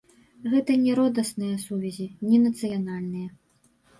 Гэта не роднасныя сувязі, не нацыянальныя.